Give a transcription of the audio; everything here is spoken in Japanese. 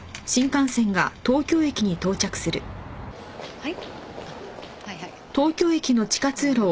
はい。